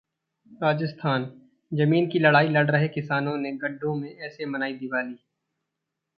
राजस्थानः जमीन की लड़ाई लड़ रहे किसानों ने गड्ढों में ऐसे मनाई दिवाली